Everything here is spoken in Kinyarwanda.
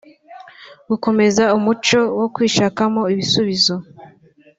gukomeza umuco wo kwishakamo ibisubizo